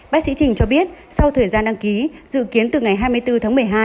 bác sĩ trình cho biết sau thời gian đăng ký dự kiến từ ngày hai mươi bốn tháng một mươi hai